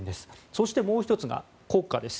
そしてもう１つが国歌です。